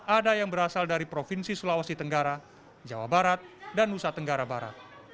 ada yang berasal dari provinsi sulawesi tenggara jawa barat dan nusa tenggara barat